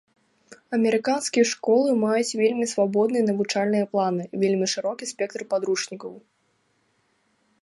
Амерыканскія школы маюць вельмі свабодныя навучальныя планы, вельмі шырокі спектр падручнікаў.